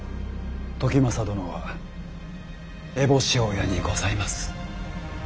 時政殿は烏帽子親にございます。